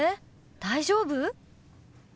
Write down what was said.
大丈夫？